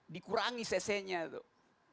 dikurangi cc nya tuh